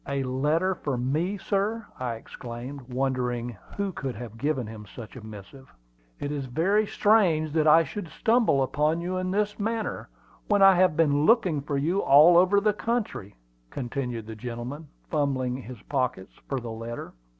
"A letter for me, sir!" I exclaimed, wondering who could have given him such a missive. "It is very strange that I should stumble on you in this manner, when I have been looking for you all over the country," continued the gentleman, fumbling his pockets for the letter.